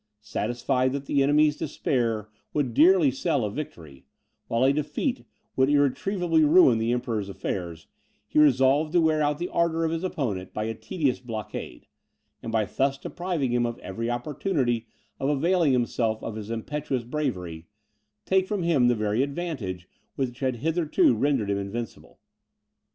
Satisfied that the enemy's despair would dearly sell a victory, while a defeat would irretrievably ruin the Emperor's affairs, he resolved to wear out the ardour of his opponent by a tedious blockade, and by thus depriving him of every opportunity of availing himself of his impetuous bravery, take from him the very advantage which had hitherto rendered him invincible.